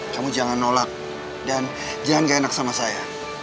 kamu jangan nolak dan jangan gak enak sama saya